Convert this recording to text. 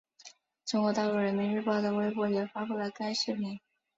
中国大陆人民日报的微博也发布了该视频。